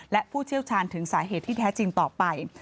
และผู้เชี่ยวชาญถึงสาเหตุที่แท้จริงต่อไป